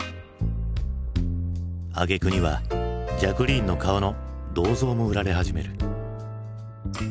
あげくにはジャクリーンの顔の銅像も売られ始める。